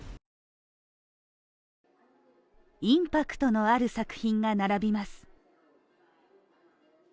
インパクトのある作品が並びます。